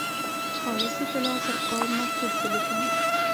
خالصې طلا پر قاب مکتوب ولیکم.